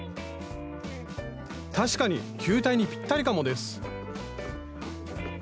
確かに球体にぴったりかもです